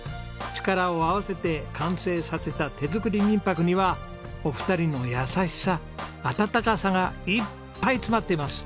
力を合わせて完成させた手作り民泊にはお二人の優しさ温かさがいっぱい詰まっています。